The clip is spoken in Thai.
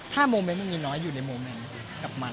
ถ้าโมเมนต์มันมีน้อยอยู่ในโมเมนต์กับมัน